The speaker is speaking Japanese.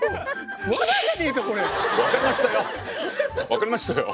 分かりましたよ！